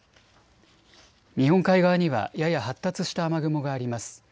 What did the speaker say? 日本海側にはやや発達した雨雲があります。